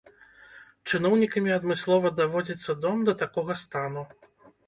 Чыноўнікамі адмыслова даводзіцца дом да такога стану.